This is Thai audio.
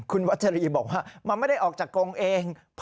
คุณวัชรีบอกว่ามันไม่ได้ออกจากกรงเอง